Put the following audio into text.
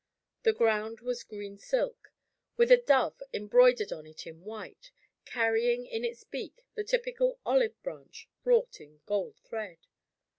The ground was green silk, with a dove embroidered on it in white, carrying in its beak the typical olive branch, wrought in gold thread.